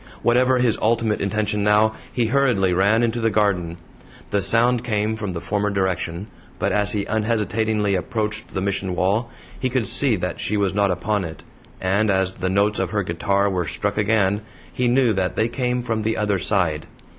Whatever his ultimate intention now, he hurriedly ran into the garden. The sound came from the former direction, but as he unhesitatingly approached the Mission wall, he could see that she was not upon it, and as the notes of her guitar were struck again, he knew that they came from the other side.